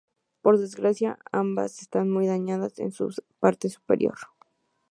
Por desgracia, ambas están muy dañadas en su parte superior.